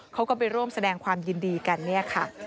เขาก็ไปร่วมแสดงความยินดีกันเนี่ยค่ะ